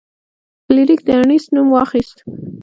فلیریک د انیسټ نوم واخیست.